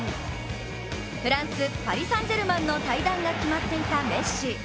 フランス、パリ・サン＝ジェルマンの退団が決まっていたメッシ。